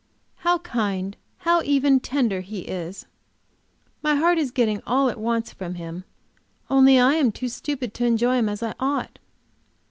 How kind, how even tender he is! My heart is getting all it wants from him, only I am too stupid to enjoy him as I ought.